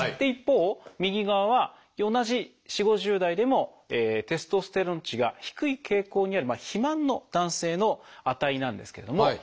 一方右側は同じ４０５０代でもテストステロン値が低い傾向にある肥満の男性の値なんですけれども。